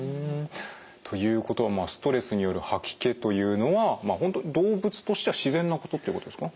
ということはストレスによる吐き気というのは本当動物としては自然なことっていうことですか？